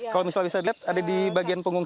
kalau misalnya bisa dilihat ada di bagian punggung